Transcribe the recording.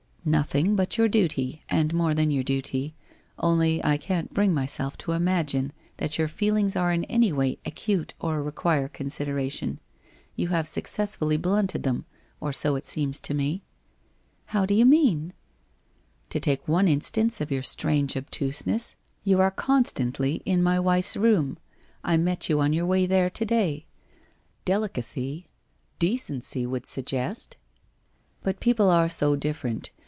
' Nothing but your duty, and more than your duty. Only — I can't bring myself to imagine that your feelings are in any way acute or require consideration. You have successfully blunted them, or so it seems to me.' ' How do yon mean? '' To take one instance of your strange nbtuseness, you 3*7 328 WHITE ROSE OF WEARY LEAF are constantly in my wife's room. I met you on your way there to day. Delicacy — decency would suggest ? But people are so different.